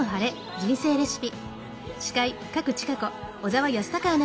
人生レシピ」。